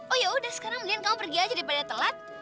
oh yaudah sekarang mendingan kamu pergi aja daripada telat